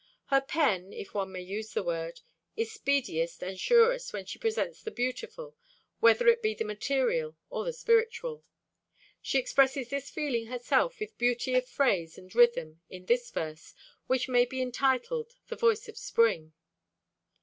Her pen, if one may use the word, is speediest and surest when she presents the beautiful, whether it be the material or the spiritual. She expresses this feeling herself with beauty of phrase and rhythm in this verse, which may be entitled "The Voice of Spring."